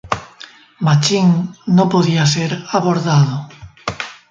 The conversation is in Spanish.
Machine" no podía ser abordado.